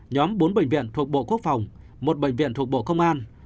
nhóm bốn bệnh viện thuộc bộ quốc phòng một bệnh viện thuộc bộ công an